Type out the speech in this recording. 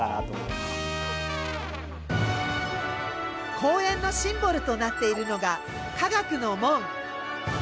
公園のシンボルとなっているのが科学の門。